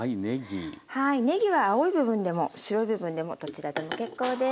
ねぎは青い部分でも白い部分でもどちらでも結構です。